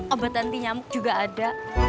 obat anti nyamuk juga ada